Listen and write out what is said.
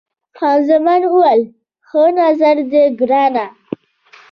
خان زمان وویل، ښه نظر دی ګرانه.